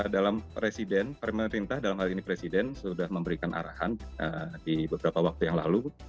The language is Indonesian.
dalam presiden pemerintah dalam hal ini presiden sudah memberikan arahan di beberapa waktu yang lalu